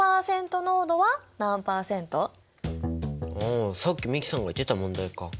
あさっき美樹さんが言っていた問題か。